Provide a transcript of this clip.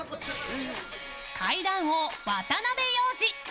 階段王・渡辺良治。